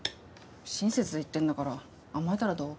親切で言ってるんだから甘えたらどう？